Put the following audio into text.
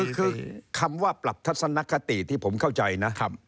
คือคำว่าปรับทัศนคติที่ผมเข้าใจนะ